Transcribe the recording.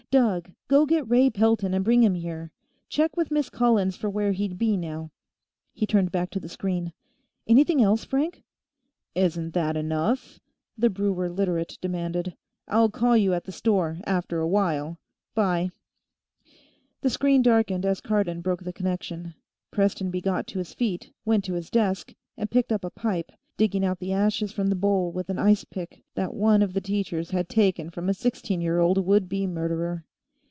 "Doug, go get Ray Pelton and bring him here. Check with Miss Collins for where he'd be, now." He turned back to the screen. "Anything else, Frank?" "Isn't that enough?" the brewer Literate demanded. "I'll call you at the store, after a while. 'Bye." The screen darkened as Cardon broke the connection. Prestonby got to his feet, went to his desk, and picked up a pipe, digging out the ashes from the bowl with an ice pick that one of the teachers had taken from a sixteen year old would be murderer.